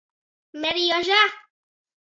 Merjoža.